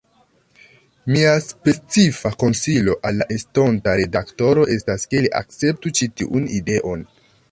Mia specifa konsilo al la estonta redaktoro estas, ke li akceptu ĉi tiun ideon.